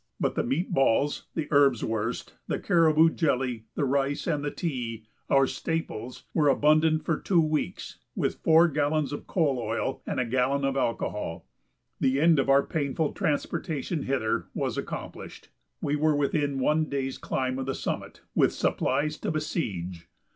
But the meatballs, the erbswurst, the caribou jelly, the rice, and the tea our staples were abundant for two weeks, with four gallons of coal oil and a gallon of alcohol. The end of our painful transportation hither was accomplished; we were within one day's climb of the summit with supplies to besiege.